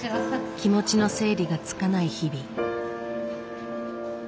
気持ちの整理がつかない日々。